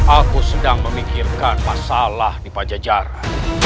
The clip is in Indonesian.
aku sedang memikirkan masalah di pajajaran